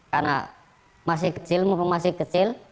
karena masih kecil mumpung masih kecil